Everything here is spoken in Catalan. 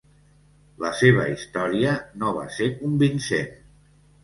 La seva història no va ser convincent.